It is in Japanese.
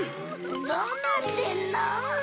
どうなってるの？